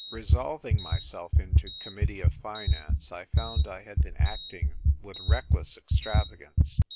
Resolving myself into Committee of Finance, I found I had been acting with reckless ex travagance.